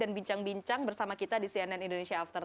dan bincang bincang bersama kita di cnn indonesia after sepuluh